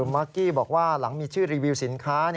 มากกี้บอกว่าหลังมีชื่อรีวิวสินค้า